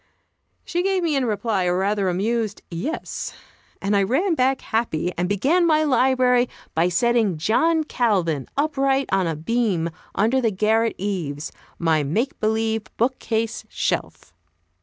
She gave me in reply a rather amused "Yes," and I ran back happy, and began my library by setting John Calvin upright on a beam under the garret eaves, my "make believe" book case shelf.